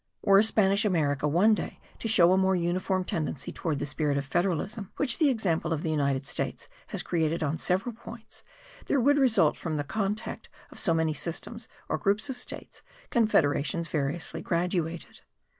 Were Spanish America one day to show a more uniform tendency towards the spirit of federalism, which the example of the United States has created on several points, there would result from the contact of so many systems or groups of states, confederations variously graduated.